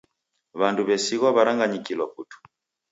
W'andu w'esighwa w'aranganyikilwa putu.